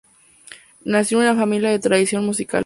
Nació en una familia de tradición musical.